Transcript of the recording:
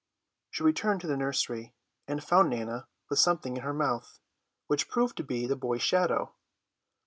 She returned to the nursery, and found Nana with something in her mouth, which proved to be the boy's shadow.